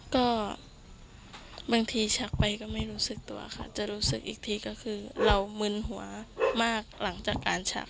ก็บางทีชักไปก็ไม่รู้สึกตัวค่ะจะรู้สึกอีกทีก็คือเรามึนหัวมากหลังจากการชัก